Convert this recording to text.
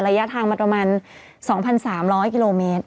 ระยะทางมาประมาณ๒๓๐๐กิโลเมตร